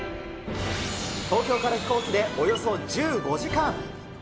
東京から飛行機でおよそ１５時間。